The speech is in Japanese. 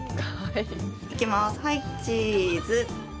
いきます、はい、チーズ。